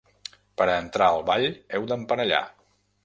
Per a entrar al ball heu d'emparellar.